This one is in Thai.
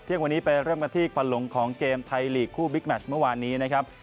ยังวันนี้ไปเริ่มกันที่ควันหลงของเกมไทยลีกคู่บิ๊กแมชเมื่อวานนี้นะครับ